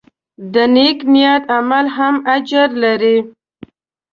د نیک نیت عمل هم اجر لري.